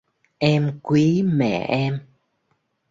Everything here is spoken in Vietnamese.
Em quý mẹ em